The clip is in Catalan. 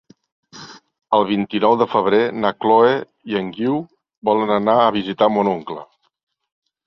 El vint-i-nou de febrer na Chloé i en Guiu volen anar a visitar mon oncle.